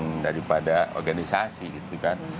kita tidak organisasi gitu kan